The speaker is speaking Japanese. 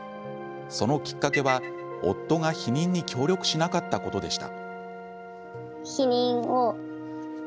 そのきっかけは夫が避妊に協力しなかったことでした。